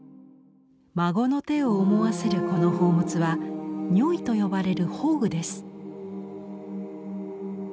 孫の手を思わせるこの宝物は「如意」と呼ばれる法具です。